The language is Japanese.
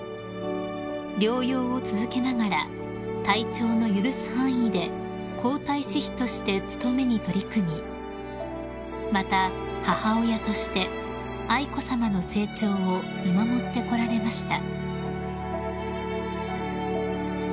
［療養を続けながら体調の許す範囲で皇太子妃として務めに取り組みまた母親として愛子さまの成長を見守ってこられました］